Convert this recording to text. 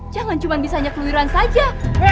jangan cuma bisanya keluiran saja